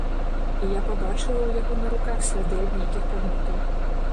І я пабачыла ў яго на руках сляды ад нейкіх прадметаў.